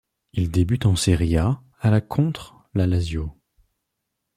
Il débute en Serie A à la contre la Lazio.